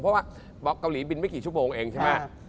เพราะว่าบอกเกาหลีบินไม่กี่ชั่วโมงเองใช่ไหม